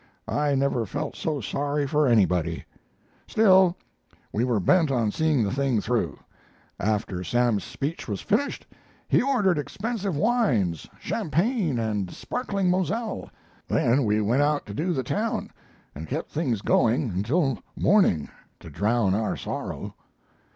I never felt so sorry for anybody. "Still, we were bent on seeing the thing through. After Sam's speech was finished, he ordered expensive wines champagne and sparkling Moselle. Then we went out to do the town, and kept things going until morning to drown our sorrow.